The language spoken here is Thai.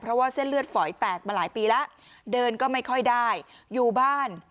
เพราะว่าเส้นเลือดฝอยแตกมาหลายปีแล้วเดินก็ไม่ค่อยได้อยู่บ้าน